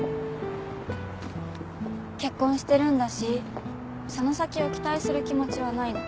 結婚してるんだしその先を期待する気持ちはないの。